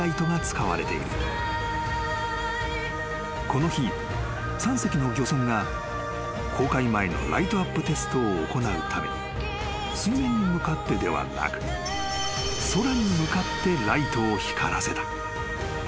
［この日３隻の漁船が航海前のライトアップテストを行うため水面に向かってではなく空に向かってライトを光らせた］